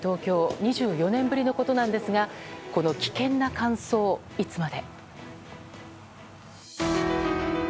２４年ぶりのことなんですが危険な乾燥、いつまで？